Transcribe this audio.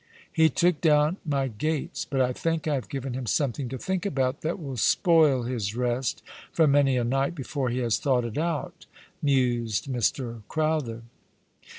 " He took down my gates, but I think I have given him something to think about that will spoil his rest for many a night, before he has thought it out," mused Mr. Crowther.